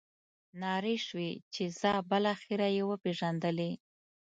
نارې شوې چې ځه بالاخره یې وپېژندلې.